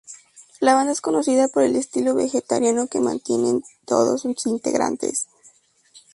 La banda es conocida por el estilo vegetariano que mantienen todos sus integrantes.